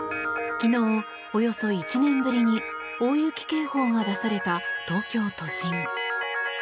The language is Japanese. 昨日、およそ１年ぶりに大雪警報が出された東京都心。